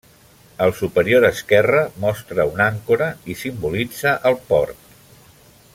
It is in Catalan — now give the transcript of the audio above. El superior esquerre mostra una àncora, i simbolitza el port.